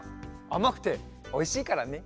あまくておいしいからね。